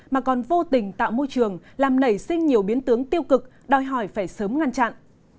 mà còn vô tình tạo môi trường làm nảy sinh nhiều biến tướng tiêu cực đòi hỏi phải sớm ngăn chặn